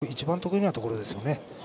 自分の一番得意なところですよね。